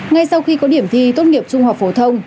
ngay sau khi có điểm thi tốt nghiệp trung học phổ thông